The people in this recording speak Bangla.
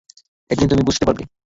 একদিন তুমি বুঝতে পারবে।